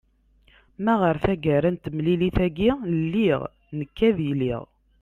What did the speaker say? ma ɣer tagara n temlilit-agi lliɣ nekk ad iliɣ